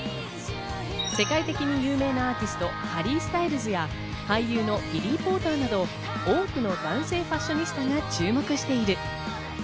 世界的に有名なアーティスト、ハリー・スタイルズや俳優のビリー・ポーターなど多くの男性ファッショニスタが注目している。